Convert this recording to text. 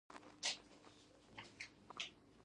د سبزیجاتو کرنه د صحي تغذیې بنسټ جوړوي.